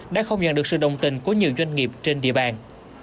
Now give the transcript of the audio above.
đã không nhận được sự đồng tình của nhiều doanh nghiệp trên địa bàn